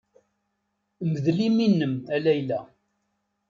Mdel imi-nnem a Layla.